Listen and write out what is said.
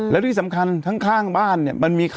แล้วที่สำคัญข้างบ้านเนี่ยมันมี